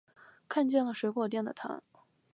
看见了水果店的她